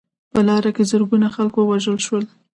په لاره کې زرګونه خلک ووژل شول.